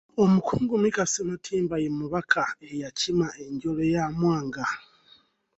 Omukungu Mika Ssematimba ye mubaka eyakima enjole ya Mwanga.